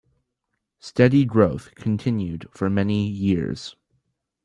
Steady growth continued for many years.